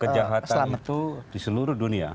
kejahatan itu di seluruh dunia